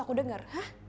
aku harus dengar